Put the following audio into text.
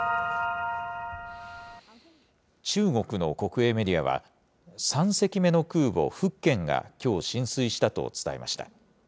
中国の国営メディアは、３隻目の空母、福建がきょう、進水したと伝えました。